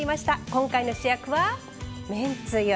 今回の主役は、めんつゆ。